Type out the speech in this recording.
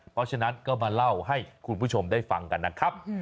เพราะฉะนั้นก็มาเล่าให้คุณผู้ชมได้ฟังกันนะครับ